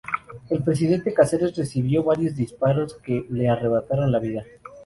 El presidente Cáceres recibió varios disparos que le arrebataron la vida.